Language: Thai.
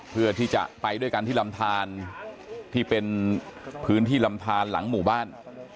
เพื่อที่จะไปด้วยกันที่ลำทานที่เป็นพื้นที่ลำทานหลังหมู่บ้าน